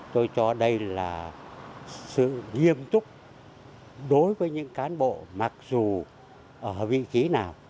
tôi cho đây là sự nghiêm túc đối với những cán bộ mặc dù ở vị trí nào